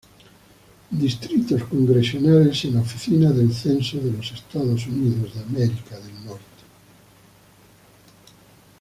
Distritos congresionales en la Oficina del Censo de los Estados Unidos